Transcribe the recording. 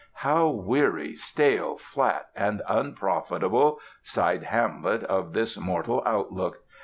"How weary, stale, flat, and unprofitable!" sighed Hamlet of this mortal outlook.